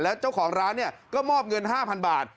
แล้วเจ้าของร้านก็มอบเงิน๕๐๐๐บาท